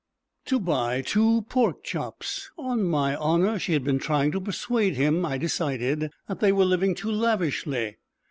To buy two pork chops. On my honour. She had been trying to persuade him, I decided, that they were living too lavishly.